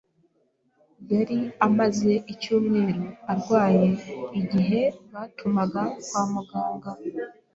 Yari amaze icyumweru arwaye igihe batumaga kwa muganga.